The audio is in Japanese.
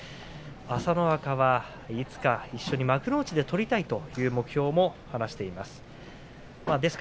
朝乃若はいつか一緒に幕内で取りたいという目標も話しています。